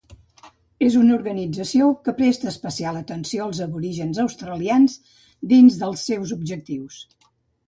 És una organització que presta especial atenció als aborígens australians, dins dels seus objectius.